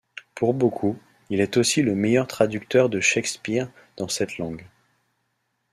Pour beaucoup, il est aussi le meilleur traducteur de Shakespeare dans cette langue.